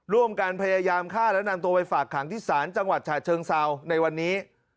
ร่วมกันพยายามฆ่าและนำตัวไปฝากขังที่ศาลจังหวัดฉะเชิงเซาในวันนี้